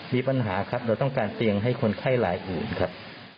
มีปัญหาครับเราต้องการเตียงให้คนไข้รายอื่นครับ